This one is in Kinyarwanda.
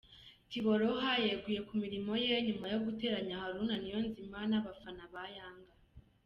Tiboroha yeguye ku mirimo ye nyuma yo guteranya Haruna Niyonzima n'abafana ba Yanga.